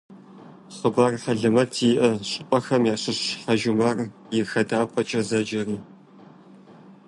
Хъыбар хьэлэмэт зиӏэ щӏыпӏэхэм ящыщщ «Хьэжумар и хадапӏэкӏэ» зэджэри.